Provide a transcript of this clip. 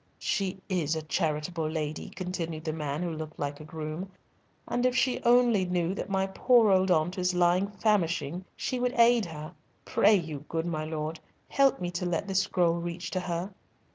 "She is a charitable lady," continued the man, who looked like a groom, "and if she only knew that my poor old aunt is lying famishing, she would aid her. Pray you, good my lord, help me to let this scroll reach to her."